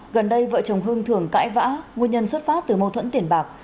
gần đây vợ chồng hưng thường cãi vã nguyên nhân xuất phát từ mâu thuẫn tiền bạc